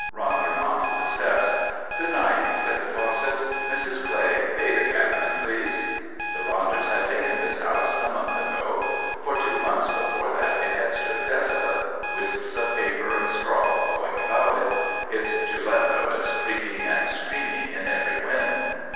Ronder mounted the steps. "Good night," he said to Fawcett. "Mrs. Clay, pay the cabman, please." The Ronders had taken this house a month ago; for two months before that it had stood desolate, wisps of paper and straw blowing about it, its "To let" notice creaking and screaming in every wind.